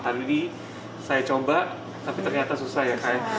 tadi saya coba tapi ternyata susah ya